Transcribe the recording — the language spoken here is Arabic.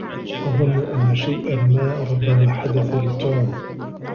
أظن أن شيئا ما ربما حدث لتوم.